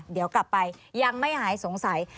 เดี๋ยวกลับไปยังไม่หายสงสัย